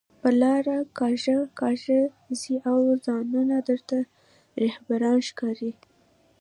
پر لار کاږه کاږه ځئ او ځانونه درته رهبران ښکاري